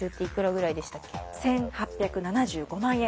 １，８７５万円。